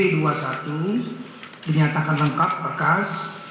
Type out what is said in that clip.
dinyatakan lengkap bekas